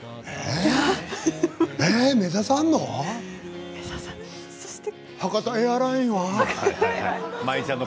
目指さんの？